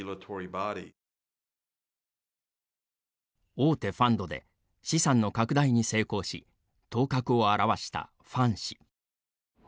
大手ファンドで資産の拡大に成功し、頭角を現したファン氏。